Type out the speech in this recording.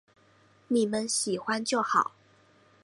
妳们喜欢就好